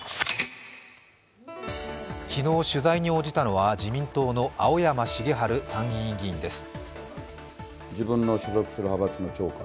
昨日取材に応じたのは自民党の青山繁晴参議院議員です。